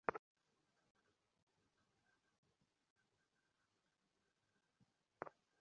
দেয়ালের ভিতরে নানান জাতের গাছগাছড়া দিনের বেলায়ও অন্ধকার হয়ে থাকে।